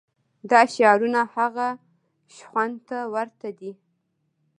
دا شعارونه هغه شخوند ته ورته دي.